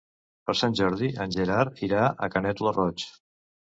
Per Sant Jordi en Gerard irà a Canet lo Roig.